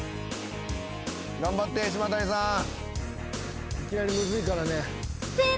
頑張って島谷さん。